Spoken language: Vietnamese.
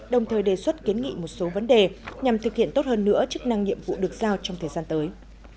đồng thời đề xuất kiến nghị một số vấn đề nhằm thực hiện tốt hơn nữa chức năng nhiệm vụ được giao trong thời gian tới